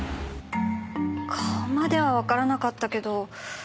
顔まではわからなかったけど。